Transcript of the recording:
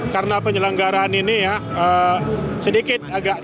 karena penyelenggaraan ini ya sedikit agak terjadi kemacetan